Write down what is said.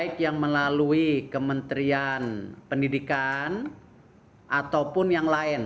kementerian pendidikan ataupun yang lain